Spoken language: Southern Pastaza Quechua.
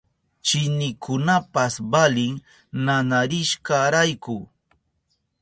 Chinikunapas valin nanarishkarayku.